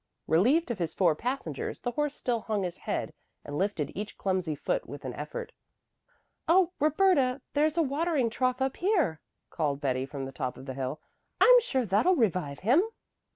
Relieved of his four passengers the horse still hung his head and lifted each clumsy foot with an effort. "Oh, Roberta, there's a watering trough up here," called Betty from the top of the hill. "I'm sure that'll revive him."